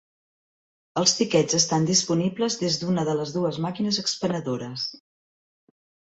Els tiquets estan disponibles des d'una de les dues màquines expenedores.